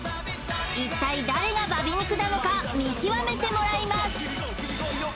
一体誰がバ美肉なのか見極めてもらいます